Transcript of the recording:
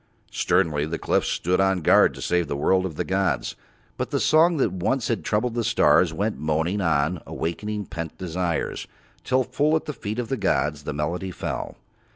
Sternly the white cliffs stood on guard to save the world of the gods, but the song that once had troubled the stars went moaning on awaking pent desires, till full at the feet of the gods the melody fell.